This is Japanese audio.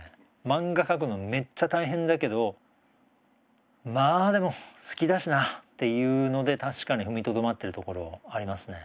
「マンガ描くのめっちゃ大変だけどまあでも好きだしな」っていうので確かに踏みとどまってるところありますね。